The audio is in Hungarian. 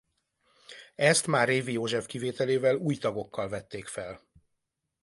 Ezt már Révi József kivételével új tagokkal vették fel.